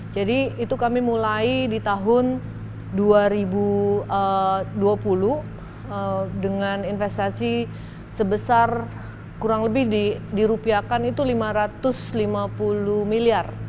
jadi itu kami mulai di tahun dua ribu dua puluh dengan investasi sebesar kurang lebih dirupiakan itu lima ratus lima puluh miliar